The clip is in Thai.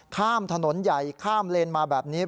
ข้ามถนนใหญ่ข้ามเลนมาแบบนี้